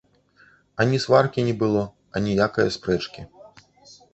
Ані сваркі не было, аніякае спрэчкі.